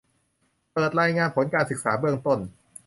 เปิดรายงานผลการศึกษาเบื้องต้น